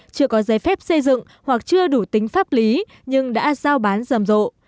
chưa có giấy phép xây dựng hoặc chưa đủ tính pháp lý nhưng đã giao bán rầm rộ